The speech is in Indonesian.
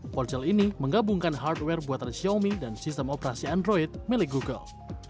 ponsel ini menggabungkan hardware buatan xiaomi dan sistem operasi android milik google